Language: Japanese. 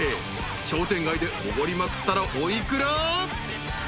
商店街でおごりまくったらお幾ら？］